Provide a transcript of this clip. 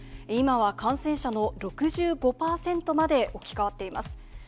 今は感染者の６５％まで置き換わっています。